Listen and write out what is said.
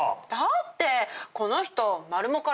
だってこの人。